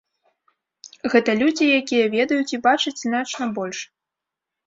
Гэта людзі, якія ведаюць і бачаць значна больш.